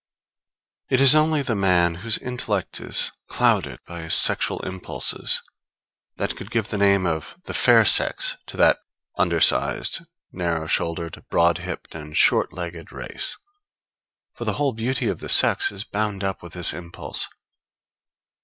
It is only the man whose intellect is clouded by his sexual impulses that could give the name of the fair sex to that under sized, narrow shouldered, broad hipped, and short legged race; for the whole beauty of the sex is bound up with this impulse.